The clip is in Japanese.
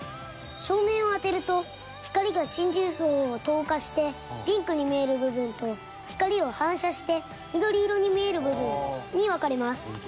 照明を当てると光が真珠層を透過してピンクに見える部分と光を反射して緑色に見える部分に分かれます。